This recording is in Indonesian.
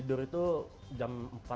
tidur itu jam empat pagi jam tujuh pagi